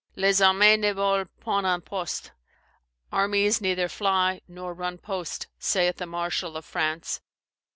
'LES ARMEES NE VOLENT POINT EN POSTE;' 'Armies neither flye, nor run post,' saith a marshal of France.